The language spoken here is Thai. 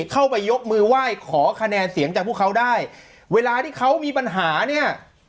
เข้าไปยกมือไหว้ขอคะแนนเสียงจากพวกเขาได้เวลาที่เขามีปัญหาเนี่ย